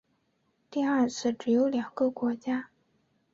第二次只有两个国家。